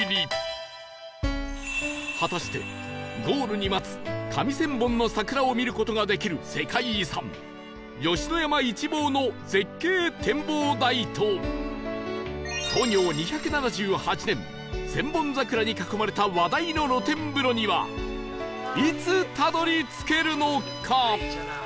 果たしてゴールに待つ上千本の桜を見る事ができる世界遺産吉野山一望の絶景展望台と創業２７８年千本桜に囲まれた話題の露天風呂にはいつたどり着けるのか？